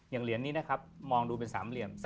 เหรียญนี้นะครับมองดูเป็น๓เหรียญ